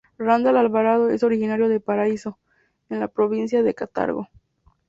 Randall Alvarado es originario de Paraíso, en la provincia de Cartago.